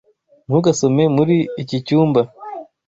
Ntugasome muri iki cyumba.